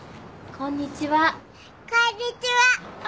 こんにちは